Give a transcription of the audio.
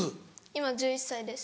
今１１歳です。